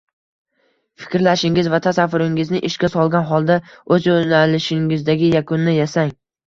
fikrlashingiz va tasavvuringizni ishga solgan holda o’z yo’nalishingizdagi yakunni yasang